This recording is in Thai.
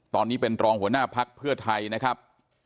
ตอนนี้เป็นรองหัวหน้าภักดิ์เพื่อไทยนะครับ